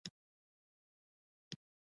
• د ورځې رڼا د سبا لپاره امید راوړي.